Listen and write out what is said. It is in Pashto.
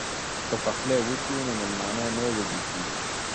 که پخلی وکړو نو میلمانه نه وږي کیږي.